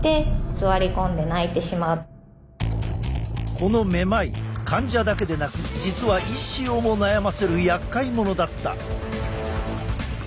このめまい患者だけでなく実は医師をも悩ませるやっかい者だった！